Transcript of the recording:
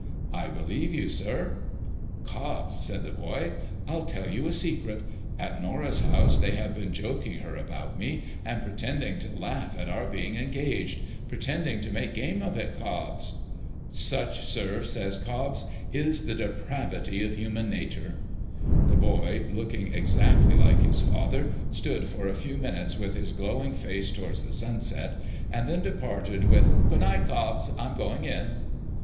'' I believe you, sir !'' Cobbs,' said the boy, ' I'll tell you a secret. At Norah's house, they have been joking her about me, and pretending to laugh at our being engaged, — pretending to make game of it, Cobbs !'' Such, sir,' says Cobbs, ' is the depravity of human natur.' The boy, looking exacdy like his father, stood for a few minutes with his glowing face towards the sunset, and then departed with, ' Good night, Cobbs. I'm going in.'